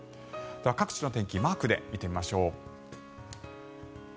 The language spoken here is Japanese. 各地の天気をマークで見てみましょう。